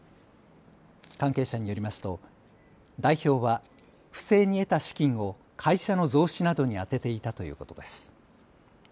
関係者によりますと代表は不正に得た資金を会社の増資などに充てていたということです。